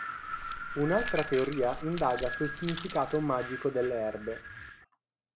Un'altra teoria indaga sul significato magico delle erbe.